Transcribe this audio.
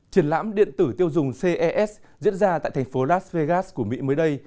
triển lãm điện tử tiêu dùng ces diễn ra tại thành phố las vegas của mỹ mới đây